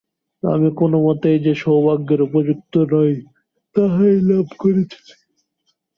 আমি কোনোমতেই যে সৌভাগ্যের উপযুক্ত নই তাহাই লাভ করিতেছি।